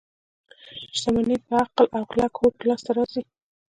شتمني په عقل او کلک هوډ لاس ته راځي.